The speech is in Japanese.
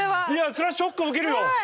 それはショックを受けるよ。